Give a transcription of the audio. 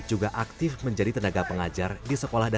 pulang main pulang dari sekolah itu